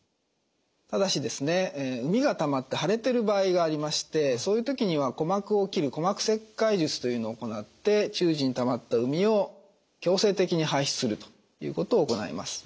ただしうみがたまって腫れてる場合がありましてそういう時には鼓膜を切る鼓膜切開術というのを行って中耳にたまったうみを強制的に排出するということを行います。